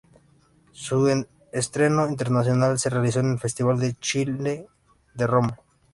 Su estreno internacional se realizó en el Festival de Cine de Roma.